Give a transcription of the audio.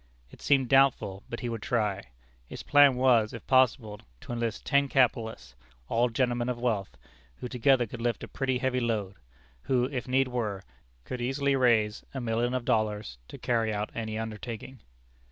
It seemed doubtful, but he would try. His plan was, if possible, to enlist ten capitalists, all gentlemen of wealth, who together could lift a pretty heavy load; who, if need were, could easily raise a million of dollars, to carry out any undertaking.